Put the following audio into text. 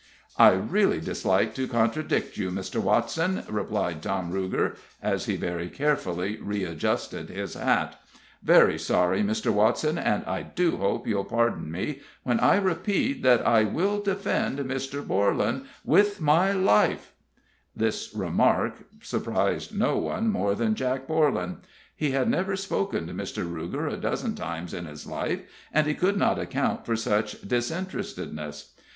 "I really dislike to contradict you, Mr. Watson," remarked Tom Ruger, as he very carefully readjusted his hat. "Very sorry, Mr. Watson, and I do hope you'll pardon me when I repeat that I will defend Mr. Borlan with my life!" This remark surprised no one more than Jack Borlan. He had never spoken to Mr. Ruger a dozen times in his life, and he could not account for such disinterestedness.